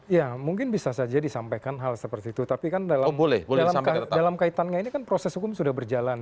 ya mungkin bisa saja disampaikan hal seperti itu tapi kan dalam kaitannya ini kan proses hukum sudah berjalan